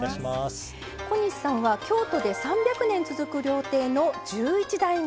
小西さんは京都で３００年続く料亭の１１代目。